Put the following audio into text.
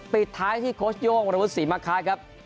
ปิดท้ายที่โค้ชโย่งวรวุฒิศรีมะคะครับ